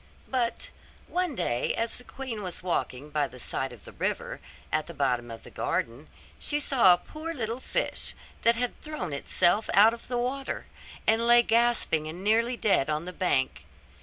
But one day as the queen was walking by the side of the river, at the bottom of the garden, she saw a poor little fish, that had thrown itself out of the water, and lay gasping and nearly dead on the bank.